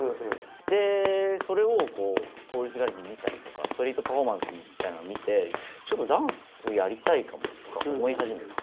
でそれを通りすがりに見たりとかストリートパフォーマンスみたいの見てちょっとダンスやりたいかもとか思いはじめたの。